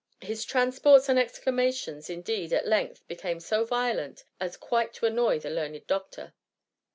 His transports and ex clamations, indeed, at length became so violent, as quite to annoy the learned doctor.